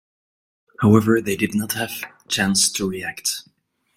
However, they did not have chance to react.